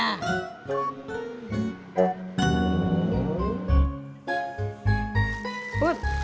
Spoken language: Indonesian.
terima kasih kak